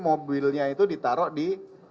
mobilnya itu ditaruh di